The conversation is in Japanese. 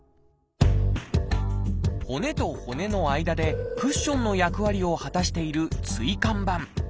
骨と骨の間でクッションの役割を果たしている椎間板。